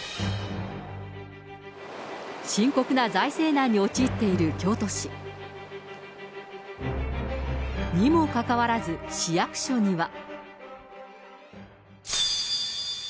深刻な財政難に陥っている京都市。にもかかわらず、市役所には。